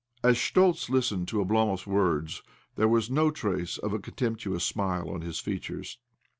As Schtoltz listened to Oblomov's words there was no trace of a contemptuous smile on his features.